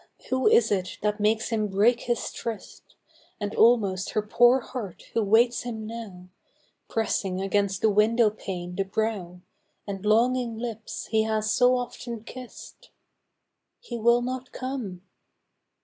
who is it that makes him break his tryst, And almost her poor heart who waits him now, Pressing against the window pane the brow, And longing Hps he has so often kiss'd ? He will not come